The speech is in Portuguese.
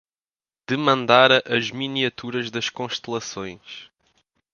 Demandara as miniaturas das constelações